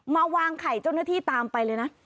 มาวางไข่เจ้าหน้าที่ตามไปเลยนะ